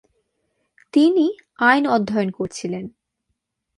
তিনি আইন অধ্যয়ন করছিলেন।